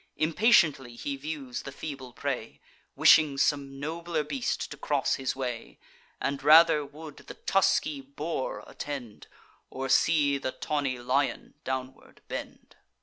Impatiently he views the feeble prey, Wishing some nobler beast to cross his way, And rather would the tusky boar attend, Or see the tawny lion downward bend.